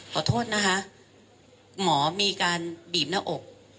ขอโทษนะคะหมอมีการบีบหน้าอก